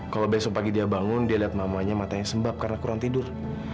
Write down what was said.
kalau besok pagi dia bangun dia lihat mamanya matanya sembab karena kurang tidur